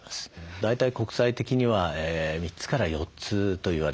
大体国際的には３つから４つと言われてます。